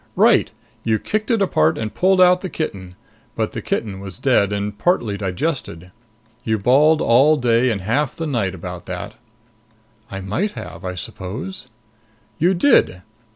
"Right. You kicked it apart and pulled out the kitten, but the kitten was dead and partly digested. You bawled all day and half the night about that." "I might have, I suppose." "You did.